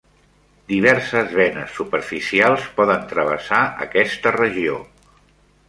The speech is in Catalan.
Diverses venes superficials poden travessar aquesta regió.